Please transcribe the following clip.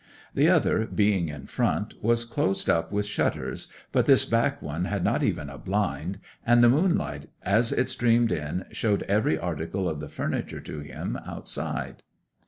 The other, being in front, was closed up with shutters, but this back one had not even a blind, and the moonlight as it streamed in showed every article of the furniture to him outside.